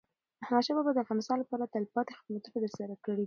احمدشاه بابا د افغانستان لپاره تلپاتي خدمتونه ترسره کړي دي.